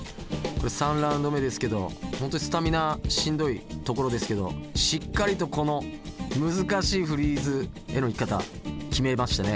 ３ラウンド目ですけど本当にスタミナしんどいところですけどしっかりとこの難しいフリーズへの行き方決めましたね。